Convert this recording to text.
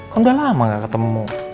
kan udah lama gak ketemu